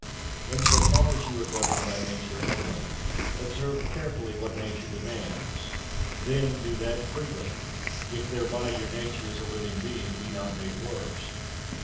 2. In so far as you are governed by nature only, observe carefully what nature demands; then do that freely, if thereby your nature as a living being be not made worse.